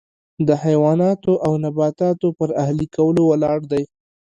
د حیواناتو او نباتاتو پر اهلي کولو ولاړ دی.